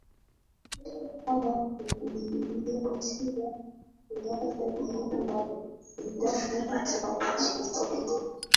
aa kuzungumzia suala hili la nidhamu za wachezaji